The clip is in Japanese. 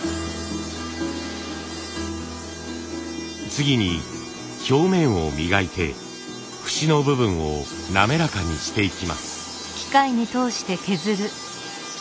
次に表面を磨いて節の部分を滑らかにしていきます。